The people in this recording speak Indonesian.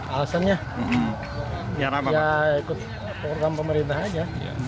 alasannya ikut pengurusan pemerintah saja